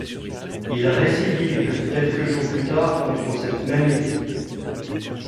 Il récidive quelques jours plus tard contre cette même équipe.